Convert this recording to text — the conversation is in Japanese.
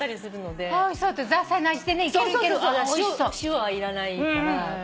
塩はいらないから。